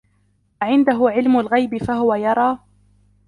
أعنده علم الغيب فهو يرى